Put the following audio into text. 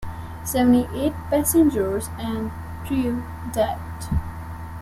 Seventy-eight passengers and crew died.